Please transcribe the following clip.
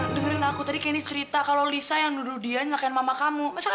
ren dengerin aku tadi candy cerita kalau lisa yang duduk dia nyalakan mama kamu